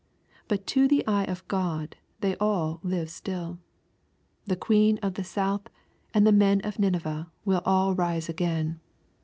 But to the eye of God they all live still. The queen of the south and the men of Nineveh will all rise again.